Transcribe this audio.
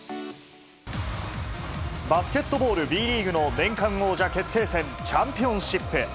バスケットボールＢリーグの年間王者決定戦、チャンピオンシップ。